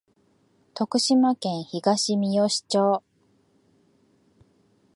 徳島県東みよし町